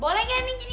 boleh gak ini gini